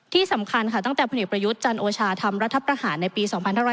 ที่สำคัญตั้งแต่พประยุทธ์จันทร์โอชาธรรมรัฐประหารในปี๒๕๕๗